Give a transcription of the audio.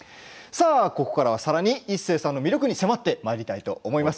ここからさらに一生さんの魅力に迫ってまいりたいと思います。